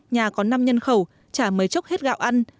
nhà có năm nhân khẩu chả mới chốc hết gạo ăn